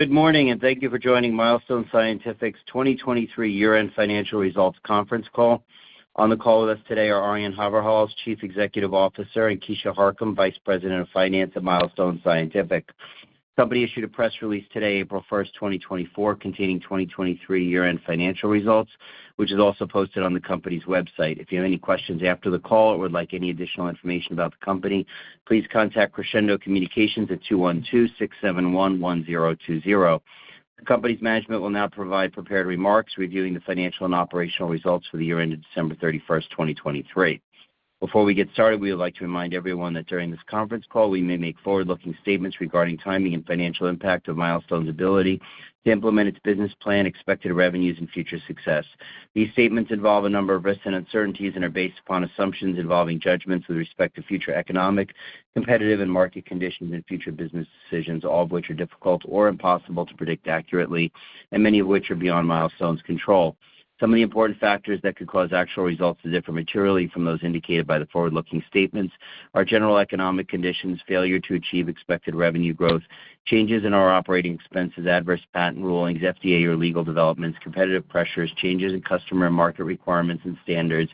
Good morning, and thank you for joining Milestone Scientific's 2023 year-end financial results conference call. On the call with us today are Arjan Haverhals, Chief Executive Officer, and Keisha Harcum, Vice President of Finance at Milestone Scientific. Company issued a press release today, April 1st, 2024, containing 2023 year-end financial results, which is also posted on the company's website. If you have any questions after the call or would like any additional information about the company, please contact Crescendo Communications at 212-671-1020. The company's management will now provide prepared remarks, reviewing the financial and operational results for the year ended December 31, 2023. Before we get started, we would like to remind everyone that during this conference call, we may make forward-looking statements regarding timing and financial impact of Milestone's ability to implement its business plan, expected revenues, and future success. These statements involve a number of risks and uncertainties and are based upon assumptions involving judgments with respect to future economic, competitive, and market conditions and future business decisions, all of which are difficult or impossible to predict accurately, and many of which are beyond Milestone's control. Some of the important factors that could cause actual results to differ materially from those indicated by the forward-looking statements are general economic conditions, failure to achieve expected revenue growth, changes in our operating expenses, adverse patent rulings, FDA or legal developments, competitive pressures, changes in customer and market requirements and standards,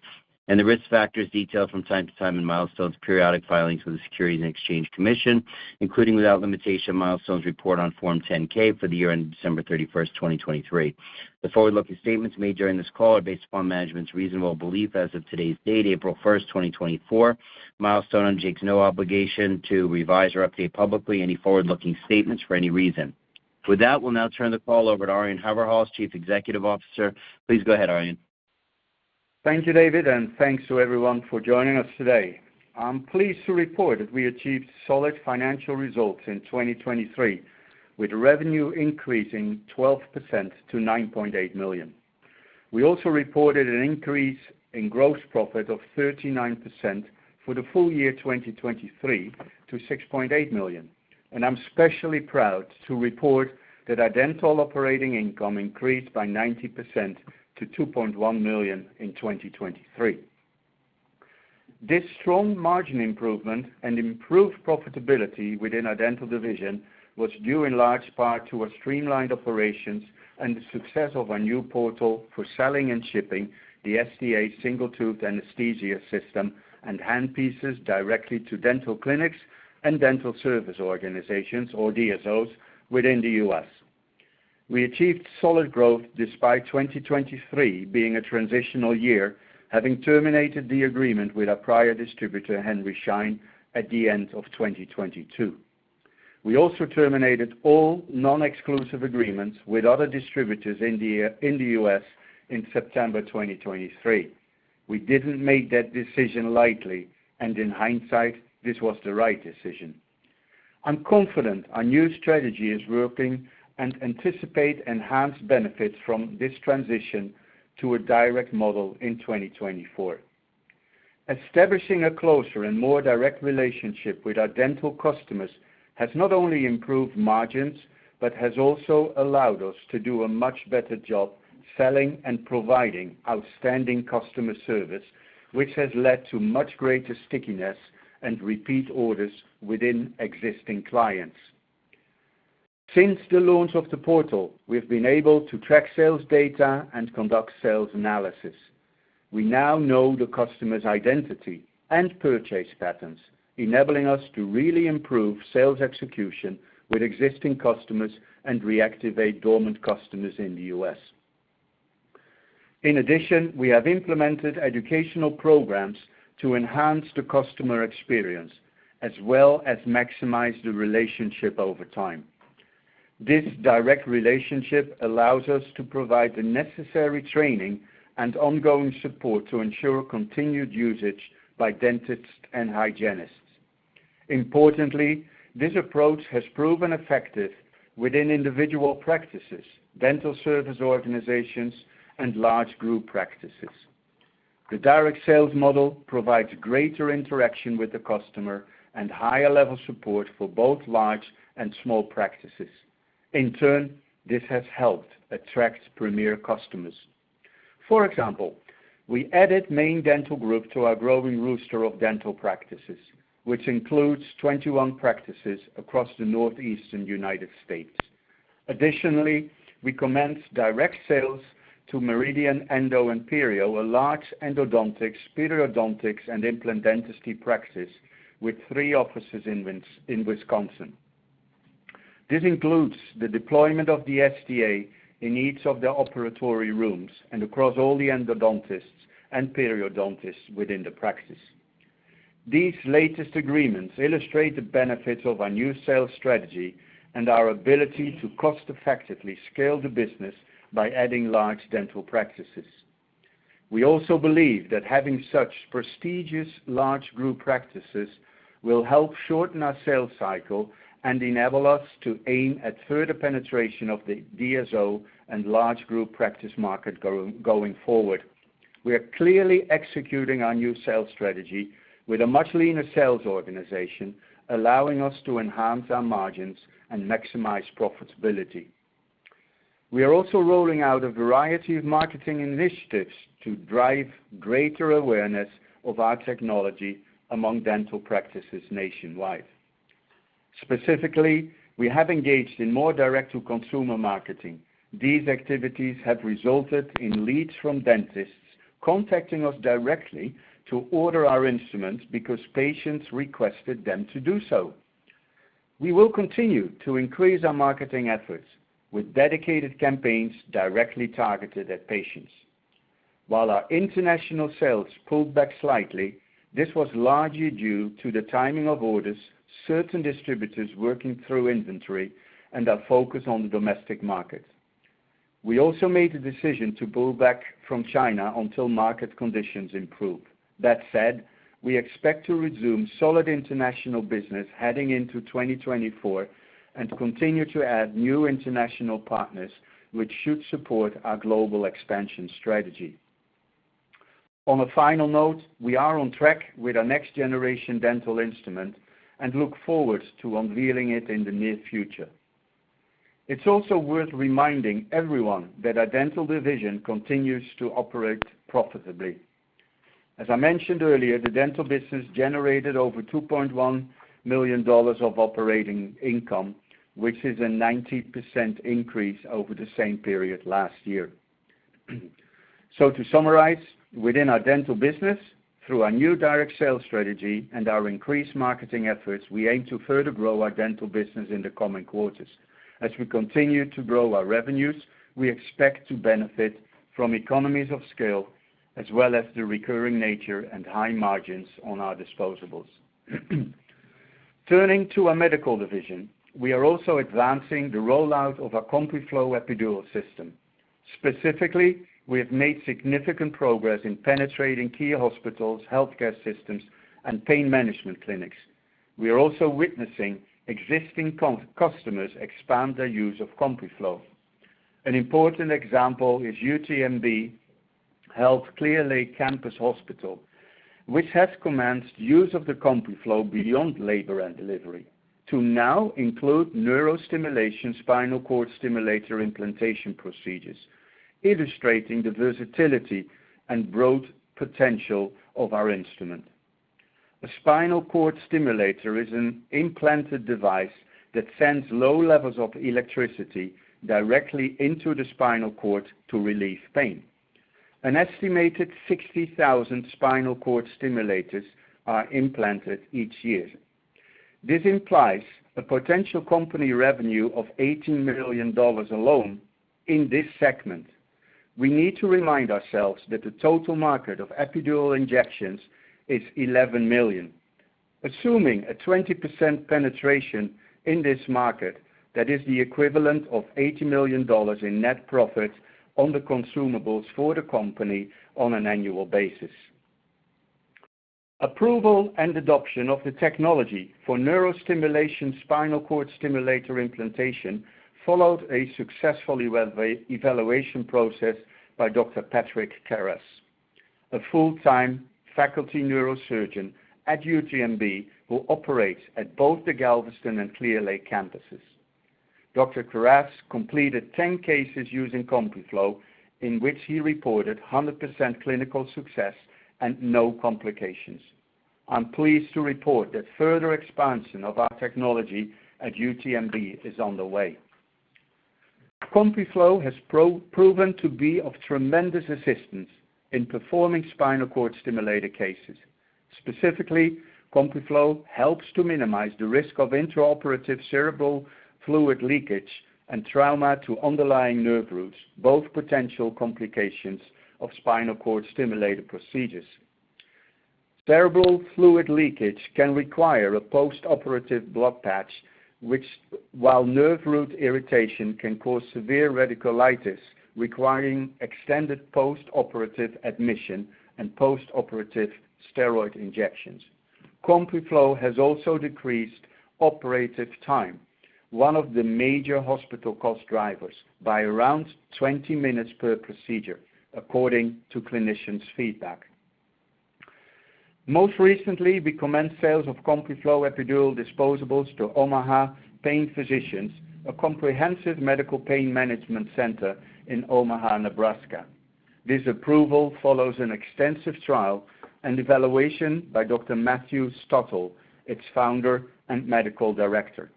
and the risk factors detailed from time to time in Milestone's periodic filings with the Securities and Exchange Commission, including, without limitation, Milestone's report on Form 10-K for the year ended December 31, 2023. The forward-looking statements made during this call are based upon management's reasonable belief as of today's date, April 1, 2024. Milestone undertakes no obligation to revise or update publicly any forward-looking statements for any reason. With that, we'll now turn the call over to Arjan Haverhals, Chief Executive Officer. Please go ahead, Arjan. Thank you, David, and thanks to everyone for joining us today. I'm pleased to report that we achieved solid financial results in 2023, with revenue increasing 12% to $9.8 million. We also reported an increase in gross profit of 39% for the full year 2023 to $6.8 million. I'm especially proud to report that our dental operating income increased by 90% to $2.1 million in 2023. This strong margin improvement and improved profitability within our dental division was due in large part to our streamlined operations and the success of our new portal for selling and shipping the STA Single Tooth Anesthesia System and handpieces directly to dental clinics and dental service organizations, or DSOs, within the U.S. We achieved solid growth despite 2023 being a transitional year, having terminated the agreement with our prior distributor, Henry Schein, at the end of 2022. We also terminated all non-exclusive agreements with other distributors in the US in September 2023. We didn't make that decision lightly, and in hindsight, this was the right decision. I'm confident our new strategy is working and anticipate enhanced benefits from this transition to a direct model in 2024. Establishing a closer and more direct relationship with our dental customers has not only improved margins, but has also allowed us to do a much better job selling and providing outstanding customer service, which has led to much greater stickiness and repeat orders within existing clients. Since the launch of the portal, we've been able to track sales data and conduct sales analysis. We now know the customer's identity and purchase patterns, enabling us to really improve sales execution with existing customers and reactivate dormant customers in the US. In addition, we have implemented educational programs to enhance the customer experience, as well as maximize the relationship over time. This direct relationship allows us to provide the necessary training and ongoing support to ensure continued usage by dentists and hygienists. Importantly, this approach has proven effective within individual practices, dental service organizations, and large group practices. The direct sales model provides greater interaction with the customer and higher level support for both large and small practices. In turn, this has helped attract premier customers. For example, we added Main Dental Group to our growing roster of dental practices, which includes 21 practices across the Northeastern United States. Additionally, we commenced direct sales to Meridian Endo & Perio, a large endodontics, periodontics, and implant dentistry practice with three offices in Wisconsin. This includes the deployment of the STA in each of their operatory rooms and across all the endodontists and periodontists within the practice. These latest agreements illustrate the benefits of our new sales strategy and our ability to cost-effectively scale the business by adding large dental practices. We also believe that having such prestigious large group practices will help shorten our sales cycle and enable us to aim at further penetration of the DSO and large group practice market going forward. We are clearly executing our new sales strategy with a much leaner sales organization, allowing us to enhance our margins and maximize profitability.... We are also rolling out a variety of marketing initiatives to drive greater awareness of our technology among dental practices nationwide. Specifically, we have engaged in more direct-to-consumer marketing. These activities have resulted in leads from dentists contacting us directly to order our instruments because patients requested them to do so. We will continue to increase our marketing efforts with dedicated campaigns directly targeted at patients. While our international sales pulled back slightly, this was largely due to the timing of orders, certain distributors working through inventory, and our focus on the domestic market. We also made the decision to pull back from China until market conditions improve. That said, we expect to resume solid international business heading into 2024, and to continue to add new international partners, which should support our global expansion strategy. On a final note, we are on track with our next-generation dental instrument and look forward to unveiling it in the near future. It's also worth reminding everyone that our dental division continues to operate profitably. As I mentioned earlier, the dental business generated over $2.1 million of operating income, which is a 90% increase over the same period last year. So to summarize, within our dental business, through our new direct sales strategy and our increased marketing efforts, we aim to further grow our dental business in the coming quarters. As we continue to grow our revenues, we expect to benefit from economies of scale, as well as the recurring nature and high margins on our disposables. Turning to our medical division, we are also advancing the rollout of our CompuFlo Epidural System. Specifically, we have made significant progress in penetrating key hospitals, healthcare systems, and pain management clinics. We are also witnessing existing customers expand their use of CompuFlo. An important example is UTMB Health Clear Lake Campus Hospital, which has commenced use of the CompuFlo beyond labor and delivery, to now include neurostimulation spinal cord stimulator implantation procedures, illustrating the versatility and broad potential of our instrument. A spinal cord stimulator is an implanted device that sends low levels of electricity directly into the spinal cord to relieve pain. An estimated 60,000 spinal cord stimulators are implanted each year. This implies a potential company revenue of $18 million alone in this segment. We need to remind ourselves that the total market of epidural injections is 11 million. Assuming a 20% penetration in this market, that is the equivalent of $80 million in net profit on the consumables for the company on an annual basis. Approval and adoption of the technology for neurostimulation spinal cord stimulator implantation followed a successful evaluation process by Dr. Patrick Karas, a full-time faculty neurosurgeon at UTMB, who operates at both the Galveston and Clear Lake campuses. Dr. Karas completed 10 cases using CompuFlo, in which he reported 100% clinical success and no complications. I'm pleased to report that further expansion of our technology at UTMB is on the way. CompuFlo has proven to be of tremendous assistance in performing spinal cord stimulator cases. Specifically, CompuFlo helps to minimize the risk of intraoperative cerebrospinal fluid leakage and trauma to underlying nerve roots, both potential complications of spinal cord stimulator procedures. Cerebrospinal fluid leakage can require a postoperative blood patch, which, while nerve root irritation can cause severe radiculitis, requiring extended postoperative admission and postoperative steroid injections. CompuFlo has also decreased operative time, one of the major hospital cost drivers, by around 20 minutes per procedure, according to clinicians' feedback. Most recently, we commenced sales of CompuFlo epidural disposables to Omaha Pain Physicians, a comprehensive medical pain management center in Omaha, Nebraska. This approval follows an extensive trial and evaluation by Dr. Matthew Stottle, its founder and medical director.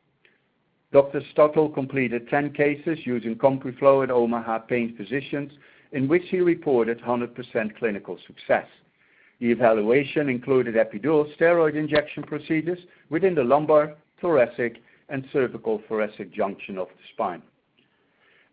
Dr. Stottle completed 10 cases using CompuFlo at Omaha Pain Physicians, in which he reported 100% clinical success. The evaluation included epidural steroid injection procedures within the lumbar, thoracic, and cervical thoracic junction of the spine.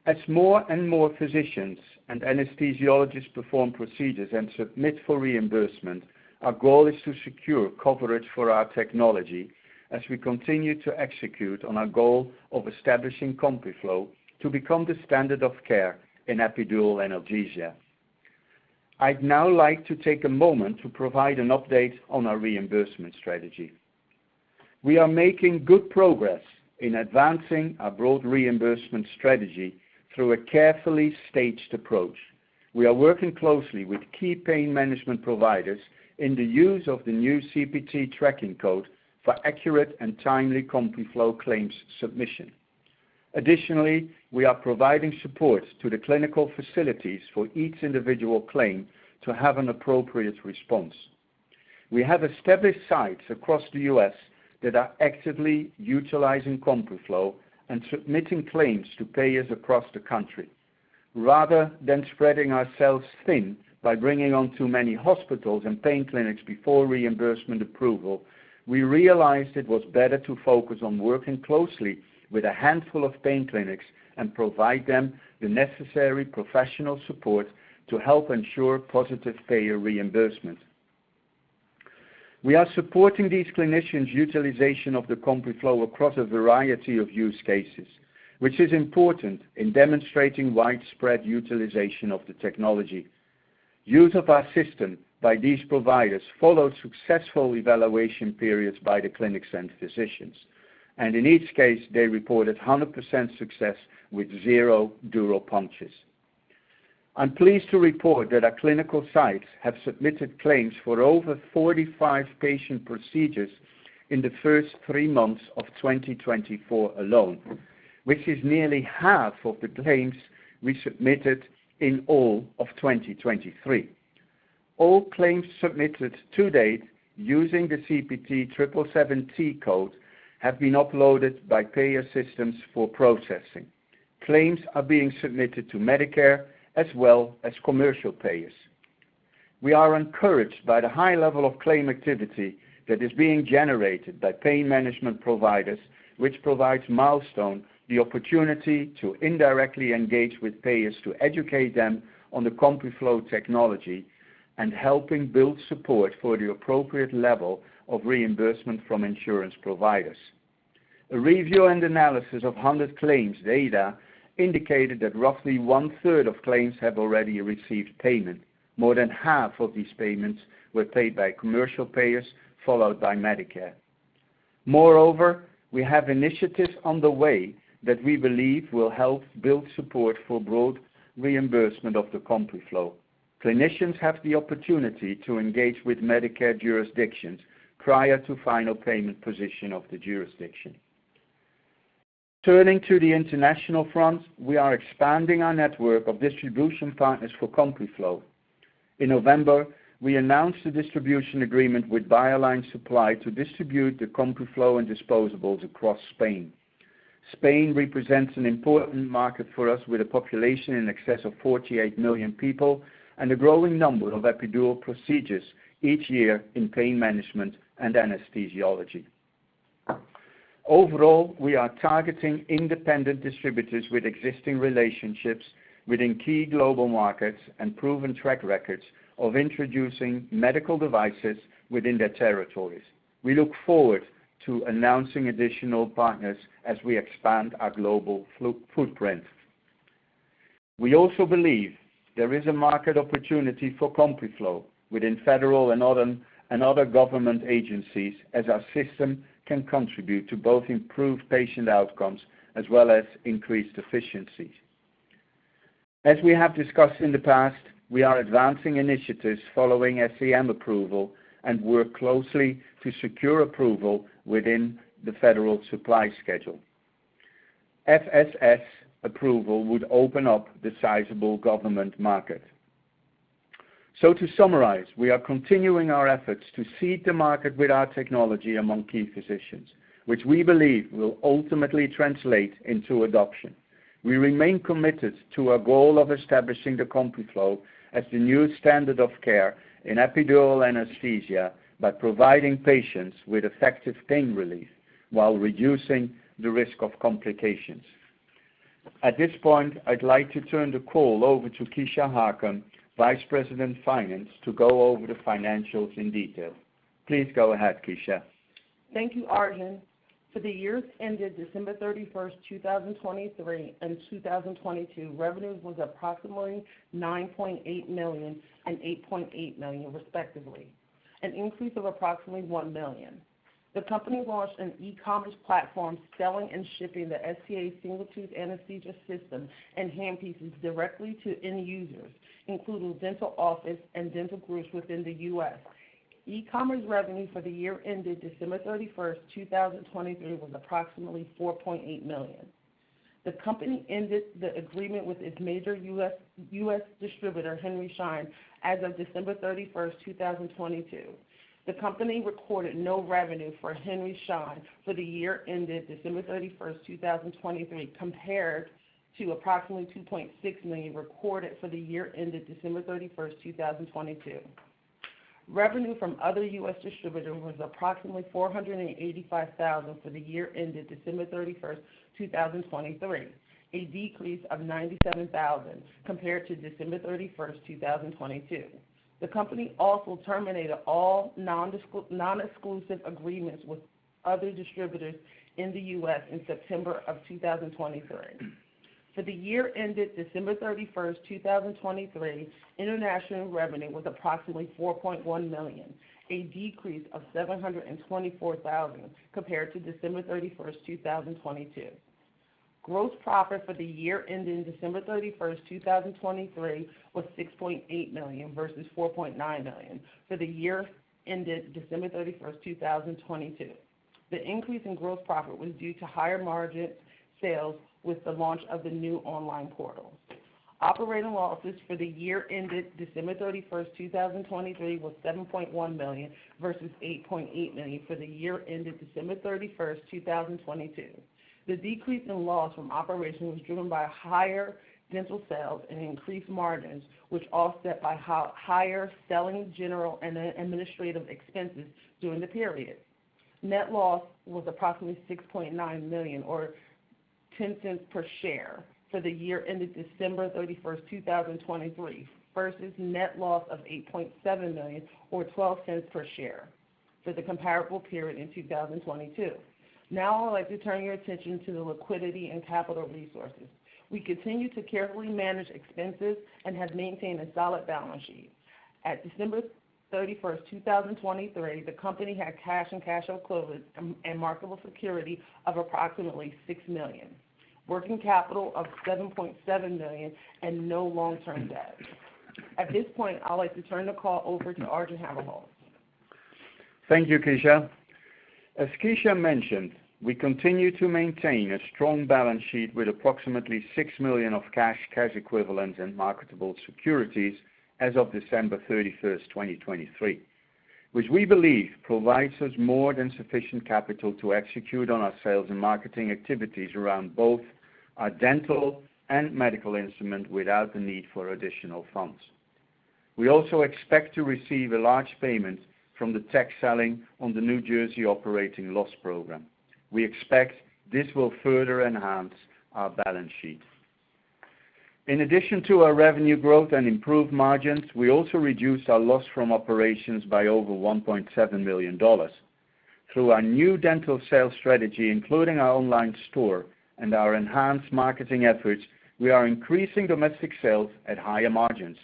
As more and more physicians and anesthesiologists perform procedures and submit for reimbursement, our goal is to secure coverage for our technology as we continue to execute on our goal of establishing CompuFlo to become the standard of care in epidural analgesia. I'd now like to take a moment to provide an update on our reimbursement strategy. We are making good progress in advancing our broad reimbursement strategy through a carefully staged approach... We are working closely with key pain management providers in the use of the new CPT tracking code for accurate and timely CompuFlo claims submission. Additionally, we are providing support to the clinical facilities for each individual claim to have an appropriate response. We have established sites across the U.S. that are actively utilizing CompuFlo and submitting claims to payers across the country. Rather than spreading ourselves thin by bringing on too many hospitals and pain clinics before reimbursement approval, we realized it was better to focus on working closely with a handful of pain clinics and provide them the necessary professional support to help ensure positive payer reimbursement. We are supporting these clinicians' utilization of the CompuFlo across a variety of use cases, which is important in demonstrating widespread utilization of the technology. Use of our system by these providers followed successful evaluation periods by the clinics and physicians, and in each case, they reported 100% success with zero dural punctures. I'm pleased to report that our clinical sites have submitted claims for over 45 patient procedures in the first three months of 2024 alone, which is nearly half of the claims we submitted in all of 2023. All claims submitted to date using the CPT 0777T code have been uploaded by payer systems for processing. Claims are being submitted to Medicare as well as commercial payers. We are encouraged by the high level of claim activity that is being generated by pain management providers, which provides Milestone the opportunity to indirectly engage with payers, to educate them on the CompuFlo technology, and helping build support for the appropriate level of reimbursement from insurance providers. A review and analysis of 100 claims data indicated that roughly one-third of claims have already received payment. More than half of these payments were paid by commercial payers, followed by Medicare. Moreover, we have initiatives on the way that we believe will help build support for broad reimbursement of the CompuFlo. Clinicians have the opportunity to engage with Medicare jurisdictions prior to final payment position of the jurisdiction. Turning to the international front, we are expanding our network of distribution partners for CompuFlo. In November, we announced a distribution agreement with BioLine Supply to distribute the CompuFlo and disposables across Spain. Spain represents an important market for us, with a population in excess of 48 million people and a growing number of epidural procedures each year in pain management and anesthesiology. Overall, we are targeting independent distributors with existing relationships within key global markets and proven track records of introducing medical devices within their territories. We look forward to announcing additional partners as we expand our global footprint. We also believe there is a market opportunity for CompuFlo within federal and other government agencies, as our system can contribute to both improved patient outcomes as well as increased efficiency. As we have discussed in the past, we are advancing initiatives following SAM approval and work closely to secure approval within the Federal Supply Schedule. FSS approval would open up the sizable government market. So to summarize, we are continuing our efforts to seed the market with our technology among key physicians, which we believe will ultimately translate into adoption. We remain committed to our goal of establishing the CompuFlo as the new standard of care in epidural anesthesia, by providing patients with effective pain relief while reducing the risk of complications. At this point, I'd like to turn the call over to Keisha Harcum, Vice President, Finance, to go over the financials in detail. Please go ahead, Keisha. Thank you, Arjan. For the years ended December thirty-first, two thousand twenty-three and two thousand twenty-two, revenue was approximately $9.8 million and $8.8 million, respectively, an increase of approximately $1 million. The company launched an e-commerce platform selling and shipping the STA Single Tooth Anesthesia System and handpieces directly to end users, including dental office and dental groups within the U.S. E-commerce revenue for the year ended December thirty-first, two thousand twenty-three, was approximately $4.8 million. The company ended the agreement with its major U.S. distributor, Henry Schein, as of December thirty-first, two thousand twenty-two. The company recorded no revenue for Henry Schein for the year ended December thirty-first, two thousand twenty-three, compared to approximately $2.6 million recorded for the year ended December thirty-first, two thousand twenty-two. Revenue from other U.S. distributors was approximately $485,000 for the year ended December 31, 2023, a decrease of $97,000 compared to December 31, 2022. The company also terminated all non-exclusive agreements with other distributors in the U.S. in September 2023. For the year ended December 31, 2023, international revenue was approximately $4.1 million, a decrease of $724,000 compared to December 31, 2022. Gross profit for the year ending December 31, 2023, was $6.8 million, versus $4.9 million for the year ended December 31, 2022. The increase in gross profit was due to higher margin sales with the launch of the new online portal. Operating losses for the year ended December 31, 2023, was $7.1 million, versus $8.8 million for the year ended December 31, 2022. The decrease in loss from operations was driven by higher dental sales and increased margins, which offset by higher selling, general, and administrative expenses during the period. Net loss was approximately $6.9 million, or 10 cents per share, for the year ended December 31, 2023, versus net loss of $8.7 million, or 12 cents per share, for the comparable period in 2022. Now I'd like to turn your attention to the liquidity and capital resources. We continue to carefully manage expenses and have maintained a solid balance sheet. At December 31, 2023, the company had cash and cash equivalents and marketable security of approximately $6 million, working capital of $7.7 million, and no long-term debt. At this point, I'd like to turn the call over to Arjan Haverhals. Thank you, Keisha. As Keisha mentioned, we continue to maintain a strong balance sheet with approximately $6 million of cash, cash equivalents, and marketable securities as of December 31st, 2023, which we believe provides us more than sufficient capital to execute on our sales and marketing activities around both our dental and medical instrument, without the need for additional funds. We also expect to receive a large payment from the tax sale in the New Jersey Operating Loss Program. We expect this will further enhance our balance sheet. In addition to our revenue growth and improved margins, we also reduced our loss from operations by over $1.7 million. Through our new dental sales strategy, including our online store and our enhanced marketing efforts, we are increasing domestic sales at higher margins.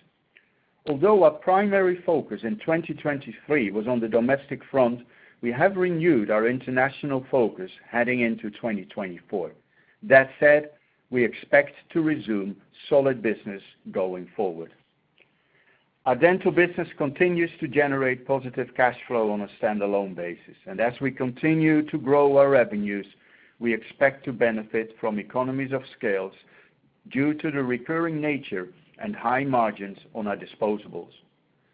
Although our primary focus in 2023 was on the domestic front, we have renewed our international focus heading into 2024. That said, we expect to resume solid business going forward. Our dental business continues to generate positive cash flow on a standalone basis. And as we continue to grow our revenues, we expect to benefit from economies of scale due to the recurring nature and high margins on our disposables.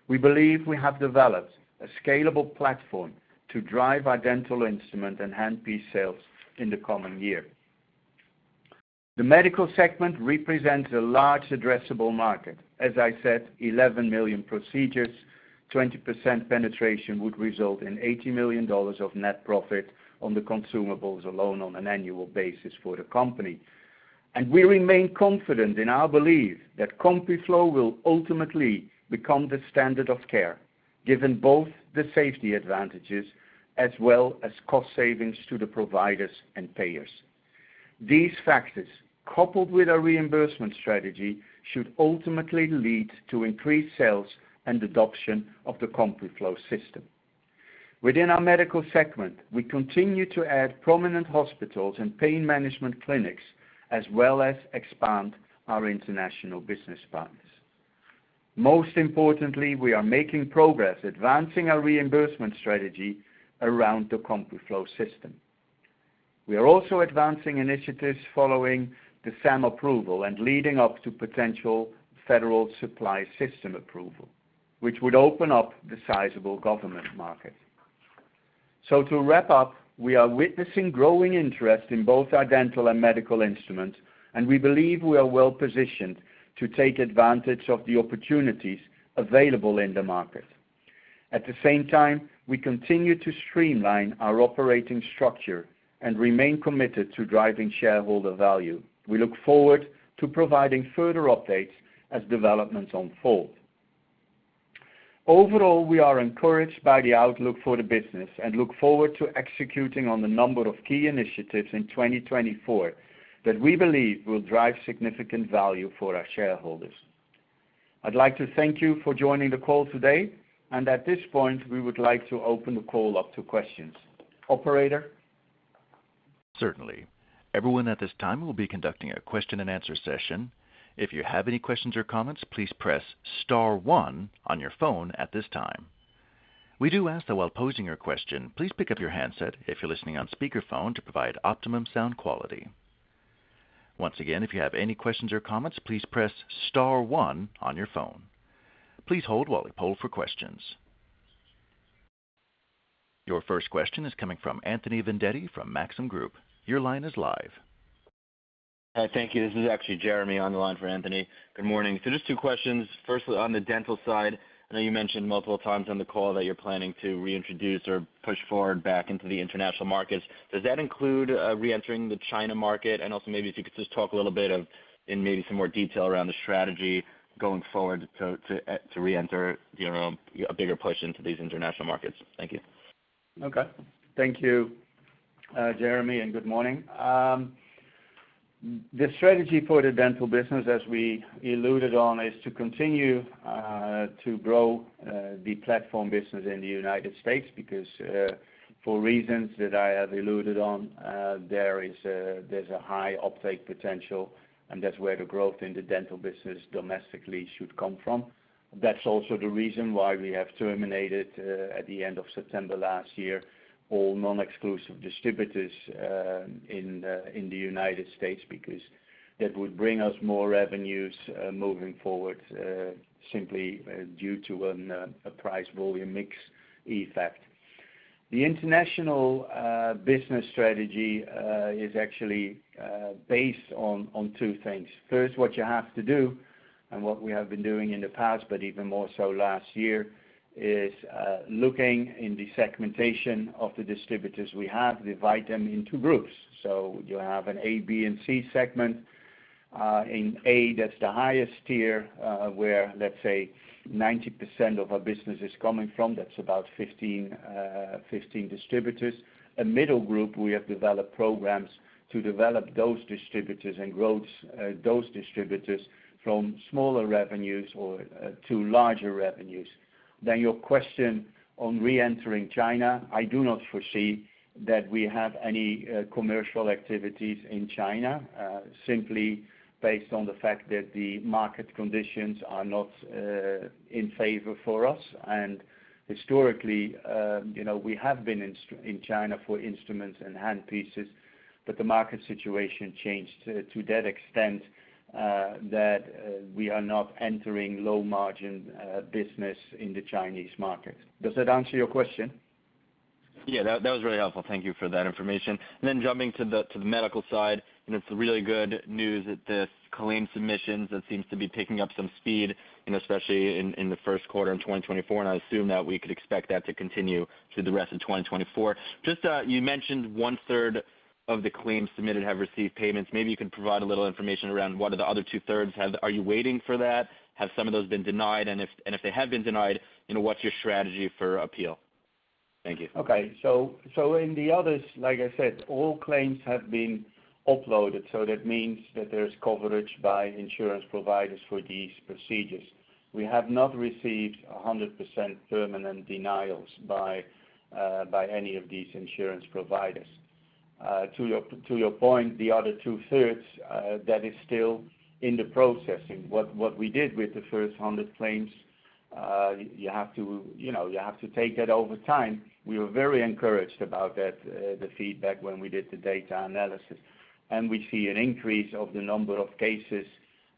We believe we have developed a scalable platform to drive our dental instrument and handpiece sales in the coming year. The medical segment represents a large addressable market. As I said, 11 million procedures, 20% penetration would result in $80 million of net profit on the consumables alone on an annual basis for the company. We remain confident in our belief that CompuFlo will ultimately become the standard of care, given both the safety advantages as well as cost savings to the providers and payers. These factors, coupled with our reimbursement strategy, should ultimately lead to increased sales and adoption of the CompuFlo system. Within our medical segment, we continue to add prominent hospitals and pain management clinics, as well as expand our international business partners. Most importantly, we are making progress advancing our reimbursement strategy around the CompuFlo system. We are also advancing initiatives following the SAM approval and leading up to potential Federal Supply system approval, which would open up the sizable government market. To wrap up, we are witnessing growing interest in both our dental and medical instruments, and we believe we are well positioned to take advantage of the opportunities available in the market. At the same time, we continue to streamline our operating structure and remain committed to driving shareholder value. We look forward to providing further updates as developments unfold. Overall, we are encouraged by the outlook for the business and look forward to executing on the number of key initiatives in 2024, that we believe will drive significant value for our shareholders. I'd like to thank you for joining the call today, and at this point, we would like to open the call up to questions. Operator? Certainly. Everyone at this time, we'll be conducting a question-and-answer session. If you have any questions or comments, please press star one on your phone at this time. We do ask that while posing your question, please pick up your handset if you're listening on speakerphone, to provide optimum sound quality. Once again, if you have any questions or comments, please press star one on your phone. Please hold while we poll for questions. Your first question is coming from Anthony Vendetti from Maxim Group. Your line is live. Thank you. This is actually Jeremy on the line for Anthony. Good morning. So just two questions. Firstly, on the dental side, I know you mentioned multiple times on the call that you're planning to reintroduce or push forward back into the international markets. Does that include reentering the China market? And also, maybe if you could just talk a little bit of—in maybe some more detail around the strategy going forward to reenter, you know, a bigger push into these international markets. Thank you. Okay. Thank you, Jeremy, and good morning. The strategy for the dental business, as we alluded on, is to continue to grow the platform business in the United States, because for reasons that I have alluded on, there's a high uptake potential, and that's where the growth in the dental business domestically should come from. That's also the reason why we have terminated at the end of September last year all non-exclusive distributors in the United States, because that would bring us more revenues moving forward simply due to a price volume mix effect. The international business strategy is actually based on two things. First, what you have to do and what we have been doing in the past, but even more so last year, is looking in the segmentation of the distributors we have, divide them into groups. So you have an A, B, and C segment. In A, that's the highest tier, where, let's say, 90% of our business is coming from. That's about 15 distributors. A middle group, we have developed programs to develop those distributors and grow those distributors from smaller revenues or to larger revenues. Then your question on reentering China, I do not foresee that we have any commercial activities in China, simply based on the fact that the market conditions are not in favor for us. Historically, you know, we have been in China for instruments and handpieces, but the market situation changed to that extent that we are not entering low-margin business in the Chinese market. Does that answer your question? Yeah, that was really helpful. Thank you for that information. And then jumping to the medical side, and it's really good news that the claim submissions that seems to be picking up some speed, and especially in the first quarter in 2024, and I assume that we could expect that to continue through the rest of 2024. Just, you mentioned one-third of the claims submitted have received payments. Maybe you can provide a little information around what are the other two-thirds? Are you waiting for that? Have some of those been denied, and if they have been denied, you know, what's your strategy for appeal? Thank you. Okay, so in the others, like I said, all claims have been uploaded, so that means that there's coverage by insurance providers for these procedures. We have not received 100% permanent denials by any of these insurance providers. To your point, the other two-thirds that is still in the processing. What we did with the first 100 claims, you have to, you know, you have to take that over time. We were very encouraged about that, the feedback when we did the data analysis. And we see an increase of the number of cases,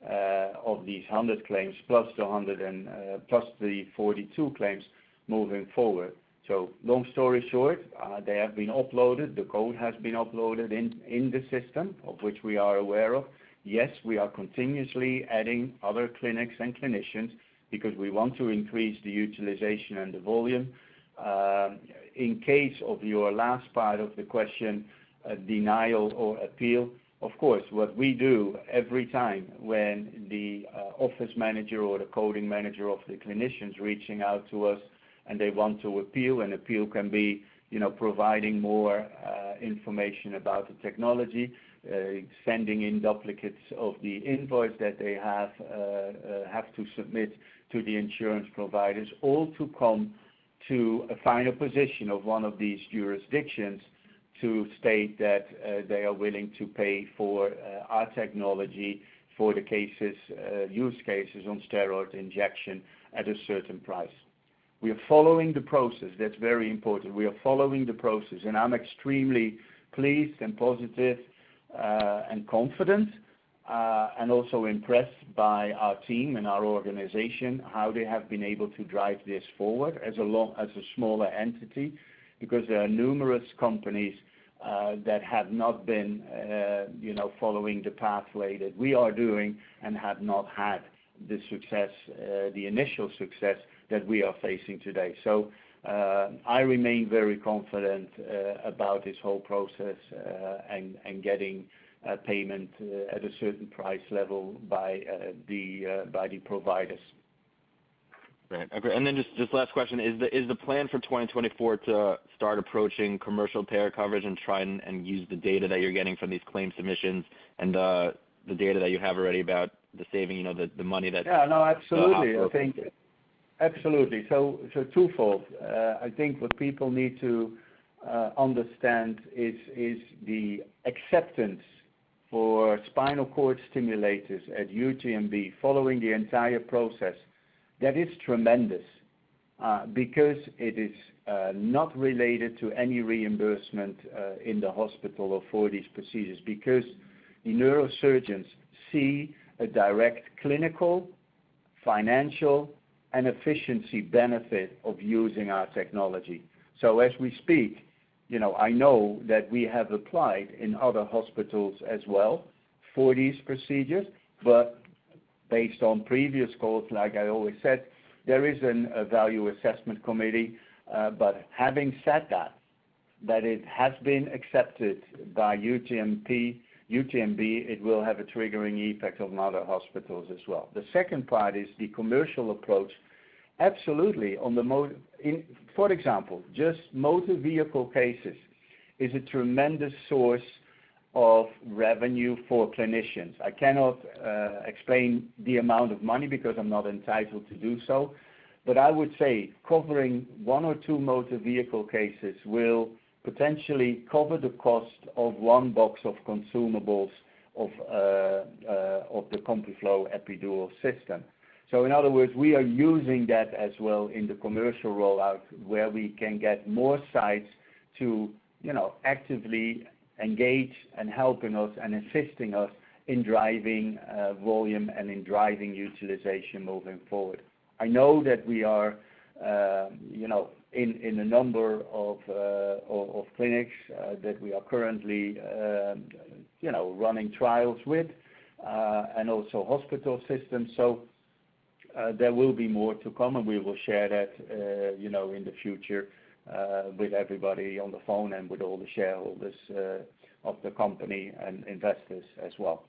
of these 100 claims, plus the 100 and plus the 42 claims moving forward. So long story short, they have been uploaded. The code has been uploaded in the system, of which we are aware of. Yes, we are continuously adding other clinics and clinicians because we want to increase the utilization and the volume. In case of your last part of the question, denial or appeal, of course, what we do every time when the office manager or the coding manager of the clinician's reaching out to us and they want to appeal, an appeal can be, you know, providing more information about the technology, sending in duplicates of the invoice that they have to submit to the insurance providers, all to come to a final position of one of these jurisdictions to state that they are willing to pay for our technology for the cases use cases on steroid injection at a certain price. We are following the process. That's very important. We are following the process, and I'm extremely pleased and positive, and confident, and also impressed by our team and our organization, how they have been able to drive this forward as a smaller entity, because there are numerous companies that have not been, you know, following the pathway that we are doing and have not had the success, the initial success that we are facing today. So, I remain very confident about this whole process, and, and getting payment at a certain price level by the providers. Great. Okay, and then just last question, is the plan for 2024 to start approaching commercial payer coverage and try and use the data that you're getting from these claim submissions and the data that you have already about the saving, you know, the money that- Yeah, no, absolutely. offer? Thank you. Absolutely. So twofold. I think what people need to understand is the acceptance for spinal cord stimulators at UTMB, following the entire process, that is tremendous, because it is not related to any reimbursement in the hospital or for these procedures, because the neurosurgeons see a direct clinical, financial, and efficiency benefit of using our technology. So as we speak, you know, I know that we have applied in other hospitals as well for these procedures, but based on previous calls, like I always said, there is a value assessment committee. But having said that, it has been accepted by UTMB, it will have a triggering effect on other hospitals as well. The second part is the commercial approach. Absolutely, on the mo- in, for example, just motor vehicle cases is a tremendous source of revenue for clinicians. I cannot explain the amount of money because I'm not entitled to do so, but I would say covering one or two motor vehicle cases will potentially cover the cost of one box of consumables of the CompuFlo Epidural System. So in other words, we are using that as well in the commercial rollout, where we can get more sites to, you know, actively engage in helping us and assisting us in driving volume and in driving utilization moving forward. I know that we are, you know, in a number of clinics that we are currently, you know, running trials with and also hospital systems. So, there will be more to come, and we will share that, you know, in the future, with everybody on the phone and with all the shareholders, of the company and investors as well.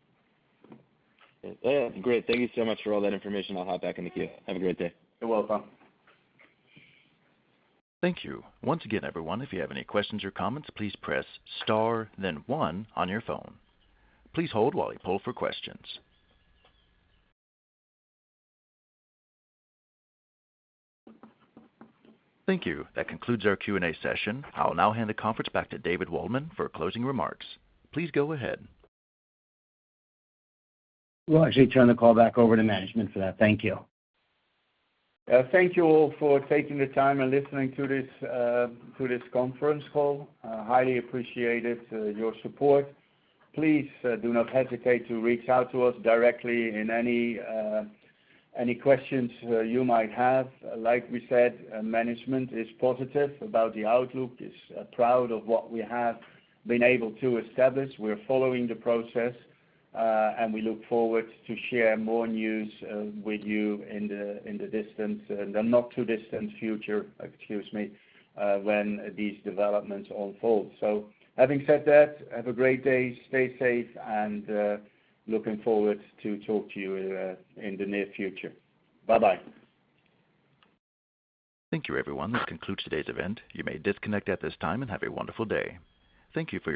Yeah. Great, thank you so much for all that information. I'll hop back in the queue. Have a great day. You're welcome. Thank you. Once again, everyone, if you have any questions or comments, please press Star then One on your phone. Please hold while we poll for questions. Thank you. That concludes our Q&A session. I'll now hand the conference back to David Waldman for closing remarks. Please go ahead. We'll actually turn the call back over to management for that. Thank you. Thank you all for taking the time and listening to this, to this conference call. I highly appreciated, your support. Please, do not hesitate to reach out to us directly in any questions, you might have. Like we said, management is positive about the outlook, is proud of what we have been able to establish. We're following the process, and we look forward to share more news, with you in the not-too-distant future, excuse me, when these developments unfold. So having said that, have a great day, stay safe, and, looking forward to talk to you, in the near future. Bye-bye. Thank you, everyone. This concludes today's event. You may disconnect at this time, and have a wonderful day. Thank you for your-